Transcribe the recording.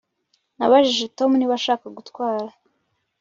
Nabajije Tom niba ashaka gutwara